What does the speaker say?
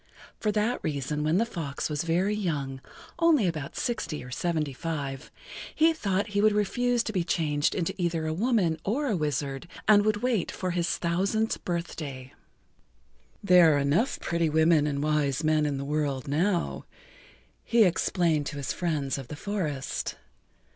For that reason when the fox was very young, only about sixty or seventy five, he thought he would refuse to be changed into either a woman or a wizard and would wait for his thousandth birthday. "There are enough pretty women and wise men in the world now," he explained to his friends of the forest.